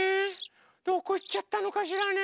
どこいっちゃったのかしらね？